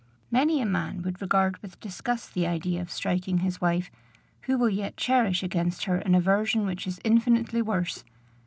Many a man would regard with disgust the idea of striking his wife, who will yet cherish against her an aversion which is infinitely worse.